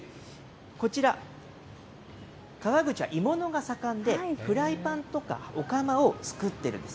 こちら、川口は鋳物が盛んで、フライパンとかお釜を作ってるんです。